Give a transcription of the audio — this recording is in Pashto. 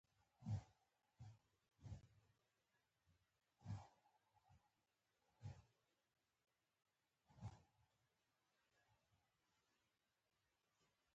قلم د سپینې پاڼې دوست دی